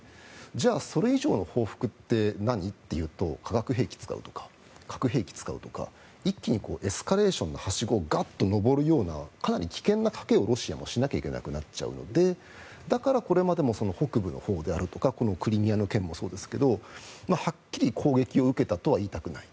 じゃあ、それ以上の報復って何？っていうと化学兵器を使うとか核兵器を使うとか一気にエスカレーションのはしごをガッと登るようなかなり危険な賭けをロシアもしなければいけなくなっちゃうのでだからこれまでも北部であるとかクリミアの件もそうですけどはっきり攻撃を受けたとは言いたくない。